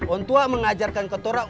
untuk mengajarkan kantoran